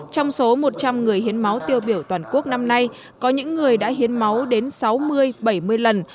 trong số một trăm linh người hiến máu tiêu biểu toàn quốc năm nay có những người đã hiến máu đến sáu mươi bảy mươi lần